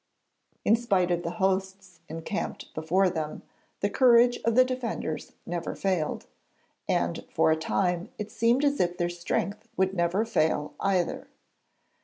In spite of the hosts encamped before them, the courage of the defenders never failed, and for a time it seemed as if their strength would never fail either.